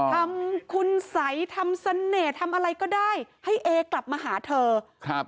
ทำคุณสัยทำเสน่ห์ทำอะไรก็ได้ให้เอกลับมาหาเธอครับ